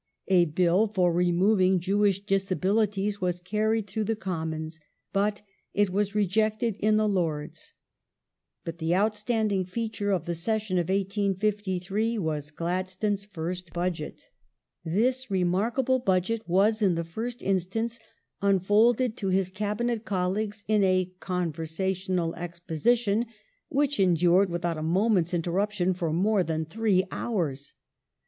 A get Bill for removing Jewish disabilities was carried through the Com mons, though it was rejected in the Lords, but the outstanding feature of the session of 1853 was Gladstone's first Budget, i This remarkable Budget was, in the first instance, unfolded to his Cabinet colleagues in " a conversational exposition which en dured without a moment's interruption for more than three houi*s